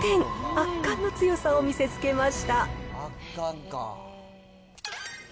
圧巻の強さを見せつけました。